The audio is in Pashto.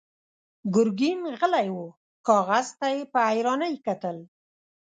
ګرګين غلی و، کاغذ ته يې په حيرانۍ کتل.